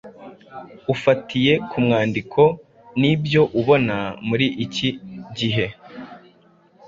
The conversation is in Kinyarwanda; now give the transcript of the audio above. Ufatiye ku mwandiko n’ibyo ubona muri iki gihe,